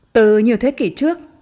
từ nhiều thế kỷ trước